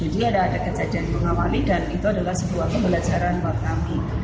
jadi ada kejadian mengawali dan itu adalah sebuah pembelajaran buat kami